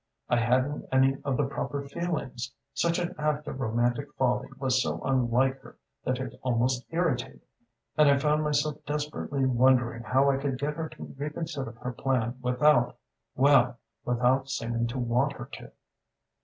I hadn't any of the proper feelings. Such an act of romantic folly was so unlike her that it almost irritated me, and I found myself desperately wondering how I could get her to reconsider her plan without well, without seeming to want her to.